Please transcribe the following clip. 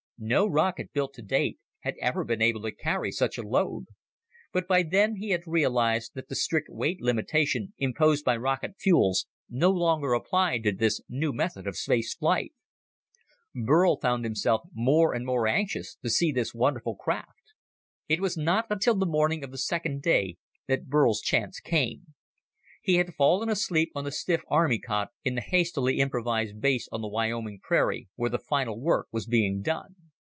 No rocket built to date had ever been able to carry such a load. But by then he had realized that the strict weight limitation imposed by rocket fuels no longer applied to this new method of space flight. Burl found himself more and more anxious to see this wonderful craft. It was not until the morning of the second day that Burl's chance came. He had fallen asleep on the stiff army cot in the hastily improvised base on the Wyoming prairie where the final work was being done.